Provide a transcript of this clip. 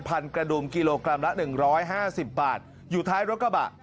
กระดุมกิโลกรัมละ๑๕๐บาทอยู่ท้ายรถกระบะ